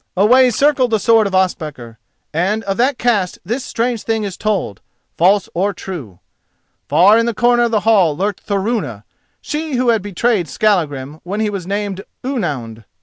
Away circled the sword of Ospakar; and of that cast this strange thing is told, false or true. Far in the corner of the hall lurked Thorunna, she who had betrayed Skallagrim when he was named Ounound.